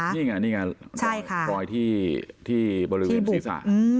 นี่ไงนี่ไงรอยที่บริเวณศีรษะ